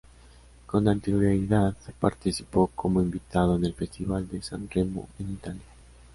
Con anterioridad, participó como invitado en el Festival de San Remo, en Italia.